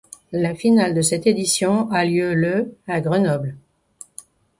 La finale de cette édition a lieu le à Grenoble.